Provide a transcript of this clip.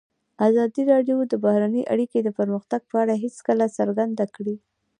ازادي راډیو د بهرنۍ اړیکې د پرمختګ په اړه هیله څرګنده کړې.